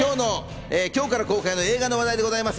今日から公開の映画の話題でございます。